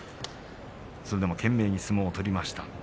それでも懸命に相撲を取りました。